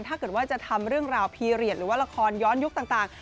ถ้าเกิดว่าจะทำเรื่องราวพีเรียสหรือว่าละครย้อนยุคต่าง